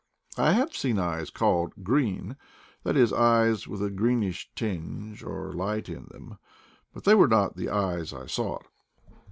I have seen eyes called green, that is, eyes with a greenish tinge or light in them, but they were not the eyes I sought.